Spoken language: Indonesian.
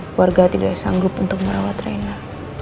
keluarga tidak sanggup untuk merawat raina